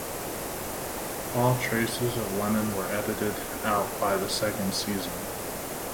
All traces of Lennon were edited out by the second season.